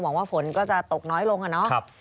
หวังว่าฝนก็จะตกน้อยลงอะเนาะ